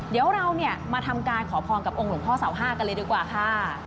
เดี๋ยวเราเนี่ยมาทำการขอพรกับองค์หลวงพ่อเสาห้ากันเลยดีกว่าค่ะ